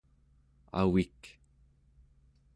avik